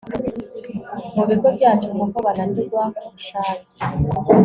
mu bigo byacu kuko bananirwa ku bushake